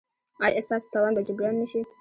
ایا ستاسو تاوان به جبران نه شي؟